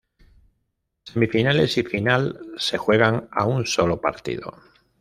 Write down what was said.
Semifinales y final se juegan a un solo partido.